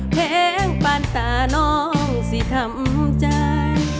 เพลงปานตาน้องสิทำใจ